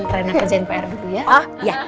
kalian kerjain pr dulu ya